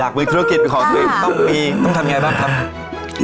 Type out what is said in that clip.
อยากวิธีธุรกิจเป็นของของตัวเองต้องมีต้องทำอย่างไรบ้างครับ